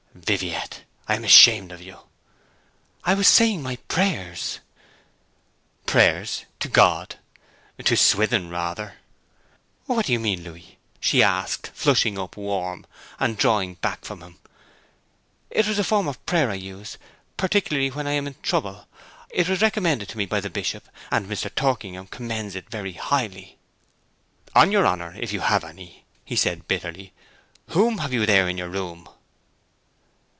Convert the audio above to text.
'Viviette! I am ashamed of you.' 'I was saying my prayers.' 'Prayers to God! To St. Swithin, rather!' 'What do you mean, Louis?' she asked, flushing up warm, and drawing back from him. 'It was a form of prayer I use, particularly when I am in trouble. It was recommended to me by the Bishop, and Mr. Torkingham commends it very highly.' 'On your honour, if you have any,' he said bitterly, 'whom have you there in your room?'